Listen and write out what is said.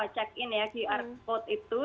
check in ya qr code itu